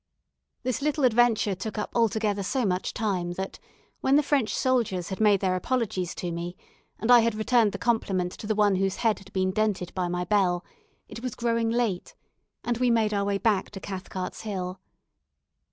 This little adventure took up altogether so much time that, when the French soldiers had made their apologies to me, and I had returned the compliment to the one whose head had been dented by my bell, it was growing late, and we made our way back to Cathcart's Hill.